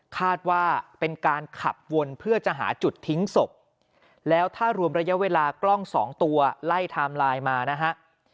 คาดว่าเป็นการขับวนเพื่อจะหาจุดทิ้งศพแล้วถ้ารวมระยะเวลากล้องสองตัวไล่ไทม์ไลน์มานะฮะ